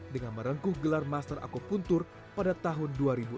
dengan merengkuh gelar master aku puntur pada tahun dua ribu enam